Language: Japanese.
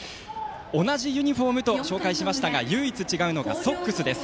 同じユニフォームと紹介しましたが唯一違うのがソックスです。